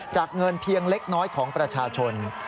เงินเพียงเล็กน้อยของประชาชน